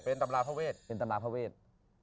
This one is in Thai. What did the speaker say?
เป็นตำราภาเวช